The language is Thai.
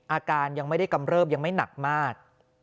อาการยังไม่ได้กำเริบยังไม่หนักมาก